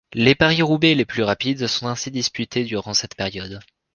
Les Paris-Roubaix les plus rapides sont ainsi disputés durant cette période.